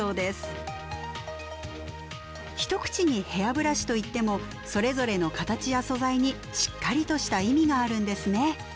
一口にヘアブラシといってもそれぞれの形や素材にしっかりとした意味があるんですね。